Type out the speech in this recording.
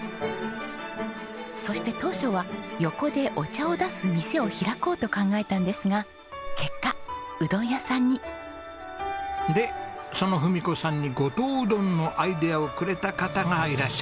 そして当初は横でお茶を出す店を開こうと考えたんですが結果うどん屋さんに。でその文子さんに五島うどんのアイデアをくれた方がいらっしゃるんです。